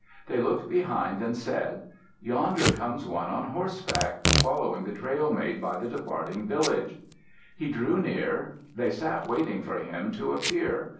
They looked behind and said, "Yonder comes one on horseback, following the trail made by the departing village." He drew near. They sat waiting for him to appear.